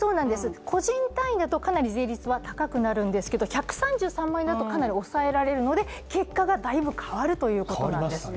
個人単位だとかなり税率は高くなるんですけれども、１３３万円だとかなり抑えられるので、結果がだいぶ変わるということなんですね。